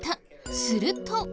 すると。